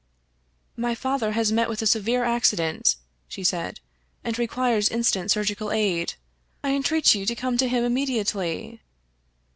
" My father has met with a severe accident," she said, " and requires instant surgical aid. I entreat you to come to him immediately."